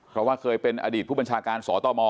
เพราะว่าเคยเป็นอดีตผู้บัญชาการสตม